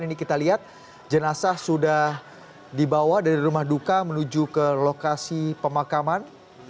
ini kita lihat jenazah sudah dibawa dari rumah duka menuju ke lokasi pemakaman